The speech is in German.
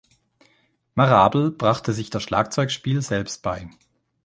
Marable brachte sich das Schlagzeugspiel selbst bei.